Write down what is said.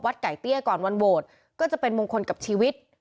ไก่เตี้ยก่อนวันโหวตก็จะเป็นมงคลกับชีวิต